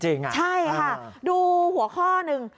ใช่ค่ะดูหัวข้อหนึ่ง